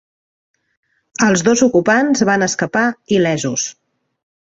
Els dos ocupants van escapar il·lesos.